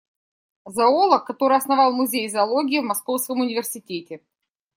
Зоолог, который основал музей зоологии в Московском университете.